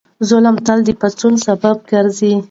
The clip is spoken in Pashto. ظلم تل د پاڅون سبب ګرځي.